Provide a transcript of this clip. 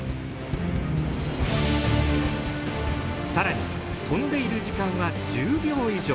更に飛んでいる時間は１０秒以上。